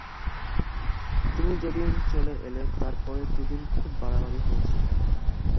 তুমি যেদিন চলে এলে তার পরের দিনে খুব বাড়াবাড়ি হয়েছিল।